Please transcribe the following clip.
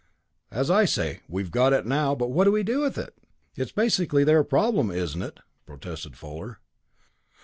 "As I say we've got it, now but what do we do with it?" "It's basically their problem, isn't it?" protested Fuller.